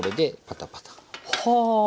パタパタ。